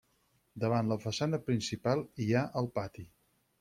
Davant la façana principal hi ha el pati.